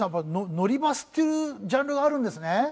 「乗りバス」っていうジャンルがあるんですね？